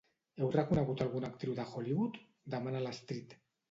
Heu reconegut alguna actriu de Hollywood? —demana l'Astrid.